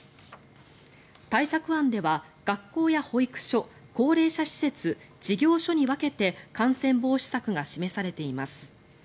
対策案では学校や保育所、高齢者施設事業所に分けて感染防止策が示されています。